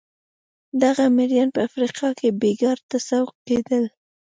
دغه مریان په افریقا کې بېګار ته سوق کېدل.